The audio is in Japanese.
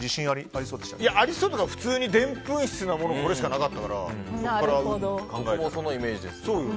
ありそうというか普通にでんぷん質なものはこれしかなかったからそこから考えて。